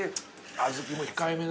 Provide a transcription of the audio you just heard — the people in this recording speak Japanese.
小豆も控えめな。